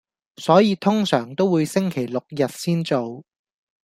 所以通常都會星期六日先做